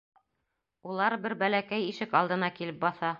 Улар бер бәләкәй ишек алдына килеп баҫа.